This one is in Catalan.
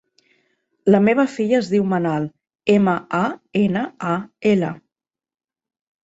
La meva filla es diu Manal: ema, a, ena, a, ela.